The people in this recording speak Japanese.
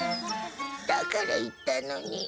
だから言ったのに。